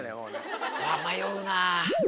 迷うな。